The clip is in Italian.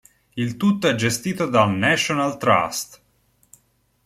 Il tutto è gestito dal "National Trust".